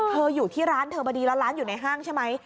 อยู่ที่ร้านเธอพอดีแล้วร้านอยู่ในห้างใช่ไหม